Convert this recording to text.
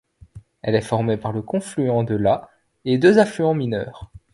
Elle est formée par le confluent de la et deux affluents mineures.